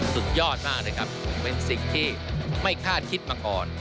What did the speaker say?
สุดยอดมากเลยครับเป็นสิ่งที่ไม่คาดคิดมาก่อน